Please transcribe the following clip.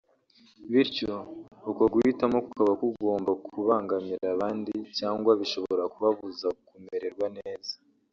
bityo uko guhitamo kukaba kugomba kubangamira abandi cyangwa bishobora kubabuza kumererwa neza